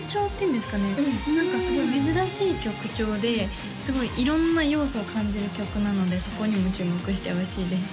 うん何かすごい珍しい曲調ですごい色んな要素を感じる曲なのでそこにも注目してほしいです